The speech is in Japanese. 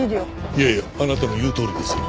いやいやあなたの言うとおりですよ。